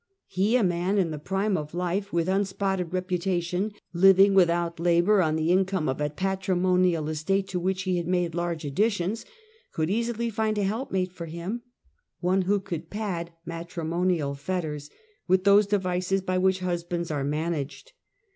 He, a man in the prime of life, with unspotted reputation, living without labor, on the in come of a patrimonial estate, to which he had made large additions, could easily find a help mate for him; one who could pad matrimonial fetters with those devices by which husbands are managed.